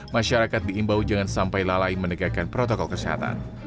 masyarakat diimbau jangan sampai lalai menegakkan protokol kesehatan